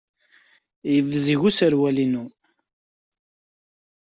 Yebzeg userwal-inu.